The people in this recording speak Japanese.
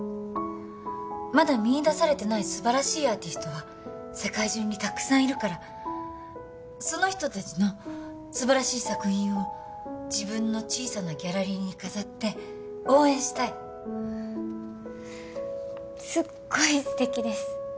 まだ見いだされてない素晴らしいアーティストは世界中にたくさんいるからその人達の素晴らしい作品を自分の小さなギャラリーに飾って応援したいすっごい素敵です